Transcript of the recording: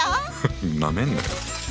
フッなめんなよ。